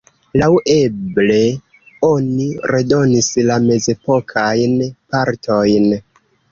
Laŭeble oni redonis la mezepokajn partojn.